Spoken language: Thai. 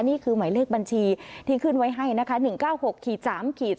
นี่คือหมายเลขบัญชีที่ขึ้นไว้ให้นะคะ๑๙๖๓